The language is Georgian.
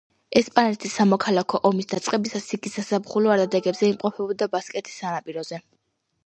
ესპანეთის სამოქალაქო ომის დაწყებისას, იგი საზაფხულო არდადეგებზე იმყოფებოდა ბასკეთის სანაპიროებზე.